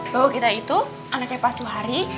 bahwa kita itu anaknya pak suhari